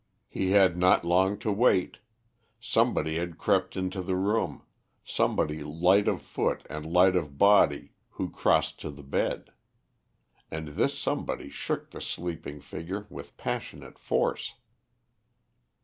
He had not long to wait. Somebody had crept into the room, somebody light of foot and light of body who crossed to the bed. And this somebody shook the sleeping figure with passionate force.